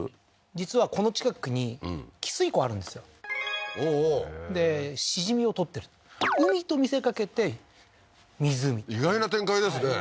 実はこの近くに汽水湖あるんですよおおおおでしじみを採ってる海と見せかけて湖意外な展開ですね